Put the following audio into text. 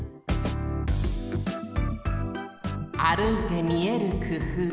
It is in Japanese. あるいてみえるくふう。